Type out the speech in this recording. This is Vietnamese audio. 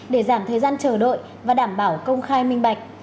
để giảm thời gian chờ đợi và đảm bảo công khai minh bạch